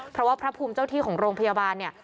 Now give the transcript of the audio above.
เพราะว่าพระภูมิเจ้าที่ของโรงพยาบาลเนี่ย